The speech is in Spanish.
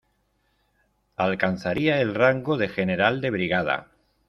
Alcanzaría el rango de general de brigada.